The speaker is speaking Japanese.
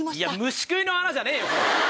虫食いの穴じゃねえよそれ！